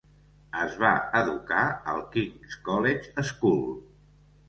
Es va educar al King's College School.